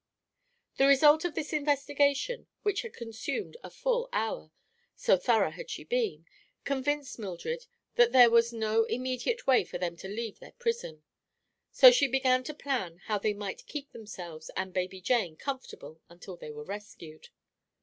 The result of this investigation, which had consumed a full hour, so thorough had she been, convinced Mildred that there was no immediate way for them to leave their prison. So she began to plan how they might keep themselves and baby Jane comfortable until they were rescued.